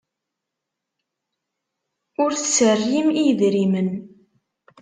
Ur tserrim i yedrimen.